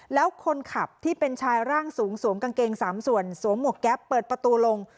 แล้วคนขับที่เป็นชายร่างสูงสวมกางเกง๓ส่วนสวมหมวกแก๊ปเปิดประตูลง